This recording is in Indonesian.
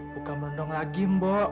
bukan merondong lagi mbok